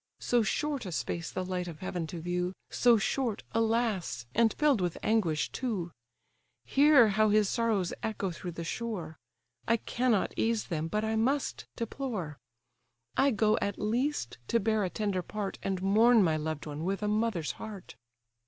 So short a space the light of heaven to view, So short, alas! and fill'd with anguish too! Hear how his sorrows echo through the shore! I cannot ease them, but I must deplore; I go at least to bear a tender part, And mourn my loved one with a mother's heart."